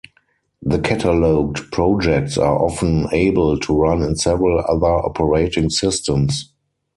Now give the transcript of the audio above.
The cataloged projects are often able to run in several other operating systems.